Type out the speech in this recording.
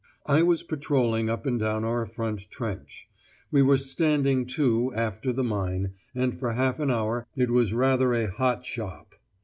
I was patrolling up and down our front trench. We were "standing to" after the mine, and for half an hour it was rather a "hot shop."